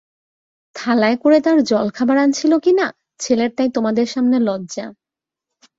থালায় করে তার জলখাবার আনছিল কিনা, ছেলের তাই তোমাদের সামনে লজ্জা।